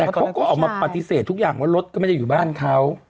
แต่เขาก็ออกมาปฏิเสธทุกอย่างว่ารถก็ไม่ได้อยู่บ้านเขา